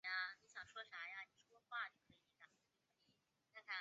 说书人说的是多年前一个著名的粤剧编剧南海十三郎的故事。